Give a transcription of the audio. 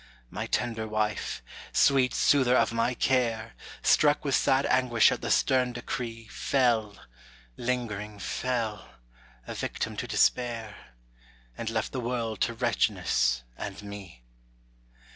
My tender wife, sweet soother of my care! Struck with sad anguish at the stern decree, Fell, lingering fell, a victim to despair, And left the world to wretchedness and me.